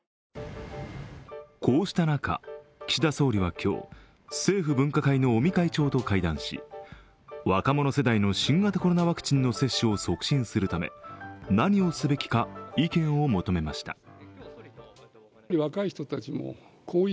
こうした中、岸田総理は今日、政府分科会の尾身会長と会談し、若者世代の新型コロナワクチンの接種を促進するため、何をすべきか意見を求めました。